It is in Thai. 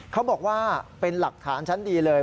เขาบอกว่าเป็นหลักฐานชั้นดีเลย